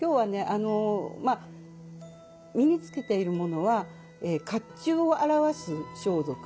あのまあ身につけているものは甲冑を表す装束。